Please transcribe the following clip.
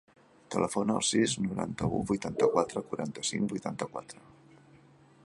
Telefona al sis, noranta-u, vuitanta-quatre, quaranta-cinc, vuitanta-quatre.